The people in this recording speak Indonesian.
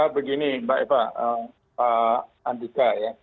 begini mbak eva pak andika ya